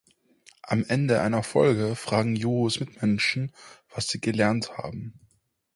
Am Ende einer Folge fragen Jojos Mitmenschen, was sie gelernt habe.